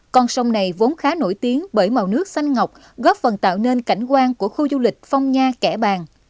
con sông này vốn khá nổi tiếng bởi màu nước xanh ngọc góp phần tạo nên cảnh quan của khu du lịch phong nha kẻ bàng